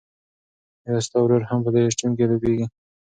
ایا ستا ورور هم په دې ټیم کې لوبېږي؟